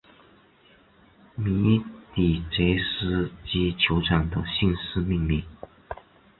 米底捷斯基球场的姓氏命名。